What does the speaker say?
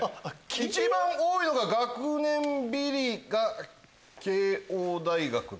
一番多いのが学年ビリが慶應大学かな。